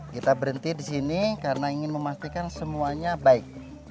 kita berhenti disini karena ingin memastikan semuanya baik